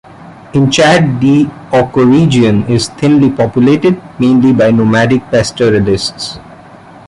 In Chad the ecoregion is thinly populated, mainly by nomadic pastoralists.